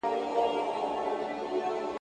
ملکیار د پخوانۍ پښتو استازیتوب کاوه.